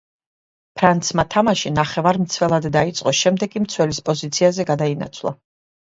ფრანცმა თამაში ნახევარმცველად დაიწყო, შემდეგ კი მცველის პოზიციაზე გადაინაცვლა.